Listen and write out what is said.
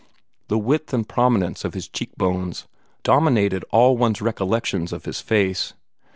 The width and prominence of his cheek bones dominated all one's recollections of his face.